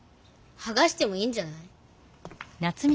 はがしてもいいんじゃない？